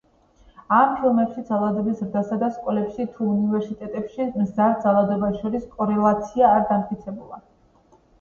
ამ ფილმებში ძალადობის ზრდას და სკოლებში თუ უნივერსიტეტებში მზარდ ძალადობას შორის კორელაცია არ დამტკიცებულა.